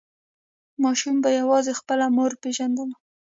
ماشوم به یوازې خپله مور پیژندل.